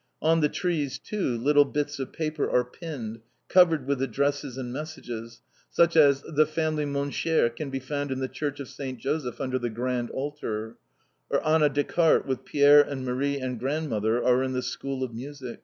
On the trees, too, little bits of paper are pinned, covered with addresses and messages, such as "The Family Montchier can be found in the Church of St. Joseph under the grand altar," or "Anna Decart with Pierre and Marie and Grandmother are in the School of Music."